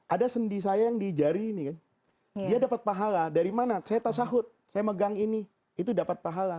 ada sendi saya yang di jari ini kan dia dapat pahala dari mana saya tasahut saya megang ini itu dapat pahala